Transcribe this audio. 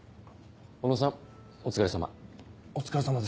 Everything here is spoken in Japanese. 小野さんお疲れさま。